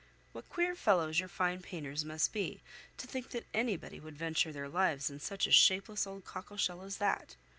What queer fellows your fine painters must be, to think that anybody would venture their lives in such a shapeless old cockleshell as that?